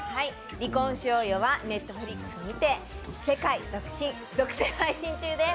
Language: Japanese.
「離婚しようよ」はＮｅｔｆｌｉｘにて世界独占配信中です。